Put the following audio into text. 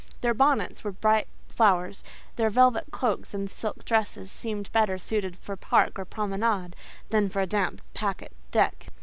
Their bonnets with bright flowers, their velvet cloaks and silk dresses, seemed better suited for park or promenade than for a damp packet deck.